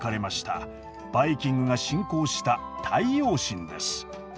バイキングが信仰した太陽神です。